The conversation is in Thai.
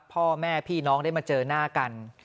พ่อแม่พี่น้องได้มาเจอหน้ากัน